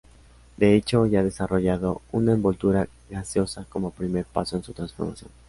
De hecho, ya ha desarrollado una envoltura gaseosa como primer paso en su transformación.